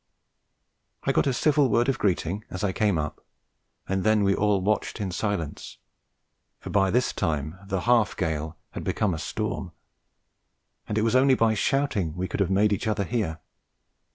I got a civil word of greeting as I came up, and then we all watched in silence, for by this time the "half gale" had become a storm, and it was only by shouting we could have made each other hear.